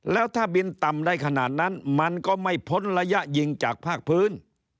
แล้วถ้าบินต่ำได้ขนาดนั้นมันก็ไม่พ้นระยะยิงจากภาคพื้น